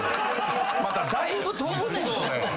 まただいぶ飛ぶねんそれ。